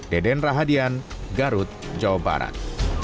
deden rahadian garut jawa barat